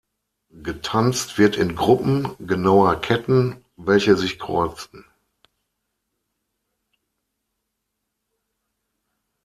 Getanzt wird in Gruppen, genauer Ketten, welche sich kreuzen.